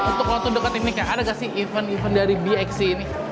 untuk kalau duduk ke tekniknya ada gak sih event event dari bxc ini